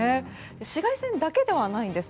紫外線だけではないんです。